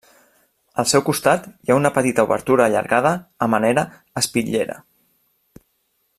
Al seu costat hi ha una petita obertura allargada a manera d'espitllera.